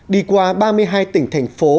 đi qua ba mươi hai tỉnh thành phố